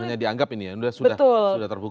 hanya dianggap ini ya sudah terbukti